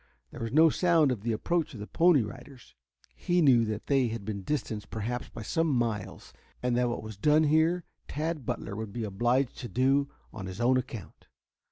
There was no sound of the approach of the Pony Riders. He knew that they had been distanced perhaps by some miles, and that what was done here Tad Butler would be obliged to do on his own account.